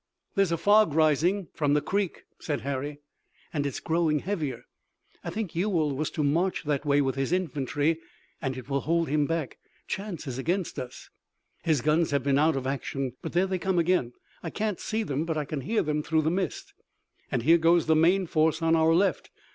"There's a fog rising from the creek," said Harry, "and it's growing heavier. I think Ewell was to march that way with his infantry and it will hold him back. Chance is against us." "His guns have been out of action, but there they come again! I can't see them, but I can hear them through the mist." "And here goes the main force on our left.